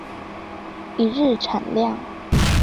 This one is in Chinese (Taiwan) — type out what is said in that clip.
一日產量